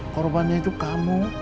korbannya itu kamu